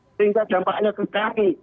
sehingga dampaknya kekari